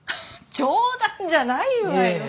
冗談じゃないわよ。